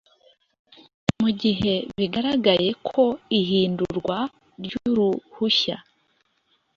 mu gihe bigaragaye ko ihindurwa ry’uruhushya